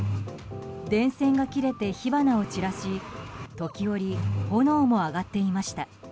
電線が切れて火花を散らし時折、炎も上がっていました。